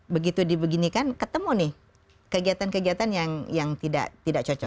begitu dibeginikan ketemu nih kegiatan kegiatan yang tidak cocok